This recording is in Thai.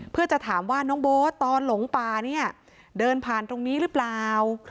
เพื่อจะถามว่าน้องโบ๊ทตอนหลงป่าเนี่ยเดินผ่านตรงนี้หรือเปล่า